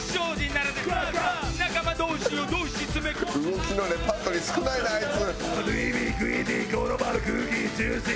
動きのレパートリー少ないなあいつ。